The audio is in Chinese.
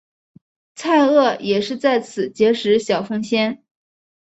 蔡锷也是在此结识小凤仙。